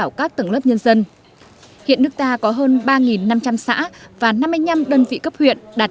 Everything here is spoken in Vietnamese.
nó đã giúp đỡ các tầng lớp nhân dân hiện nước ta có hơn ba năm trăm linh xã và năm mươi năm đơn vị cấp huyện đạt